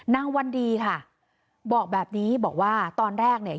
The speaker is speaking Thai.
วันดีค่ะบอกแบบนี้บอกว่าตอนแรกเนี่ย